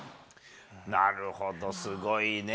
なるほど、すごいね。